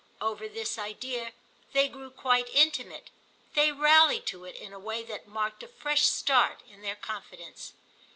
Over this idea they grew quite intimate; they rallied to it in a way that marked a fresh start in their confidence.